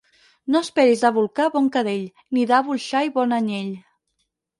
No esperis d'àvol ca bon cadell, ni d'àvol xai bon anyell.